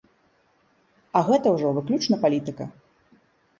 А гэта ўжо выключна палітыка!